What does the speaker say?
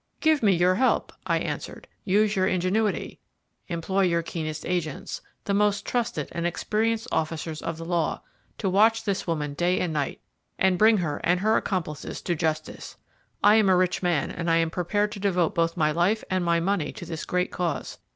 "Give me your help," I answered; "use your ingenuity, employ your keenest agents, the most trusted and experienced officers of the law, to watch this woman day and night, and bring her and her accomplices to justice. I am a rich man, and I am prepared to devote both my life and my money to this great cause.